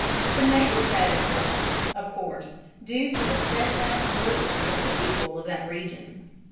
The main credit was, of course, due to the steadfast loyalty of the people of that region.